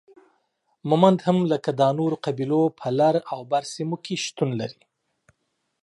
مومند هم لکه دا نورو قبيلو په لر او بر سیمو کې شتون لري